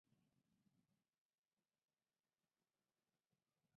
En septiembre, Yoshihiro fue vencido por Satoshi Kojima y perdió el campeonato.